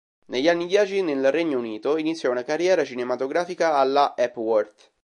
Negli anni dieci, nel Regno Unito, iniziò una carriera cinematografica alla Hepworth.